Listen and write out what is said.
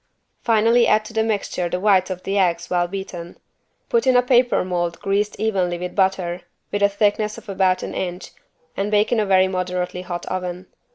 Finally add to the mixture the whites of the eggs well beaten. Put in a paper mold greased evenly with butter, with a thickness of about an inch and bake in a very moderately hot oven.